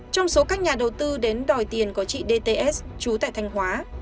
trong số các nhà đầu tư đến đòi tiền có chị dts chú tại thanh hóa